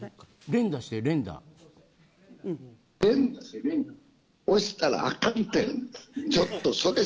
連打押したらあかんって。